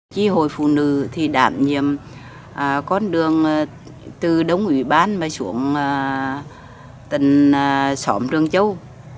chị hồi phụ nữ thì đảm nhiệm con đường từ đông ủy ban mà xuống tỉnh xóm trường châu